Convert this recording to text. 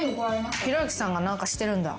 ひろゆきさんが何かしてるんだ。